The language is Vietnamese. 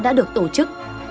đã được tổ chức